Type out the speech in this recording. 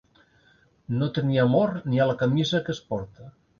No tenir amor ni a la camisa que es porta.